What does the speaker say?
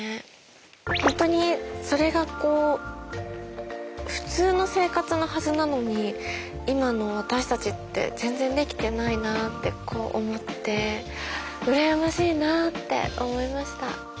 ホントにそれが普通の生活のはずなのに今の私たちって全然できてないなって思ってうらやましいなって思いました。